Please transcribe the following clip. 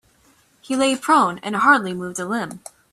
He lay prone and hardly moved a limb.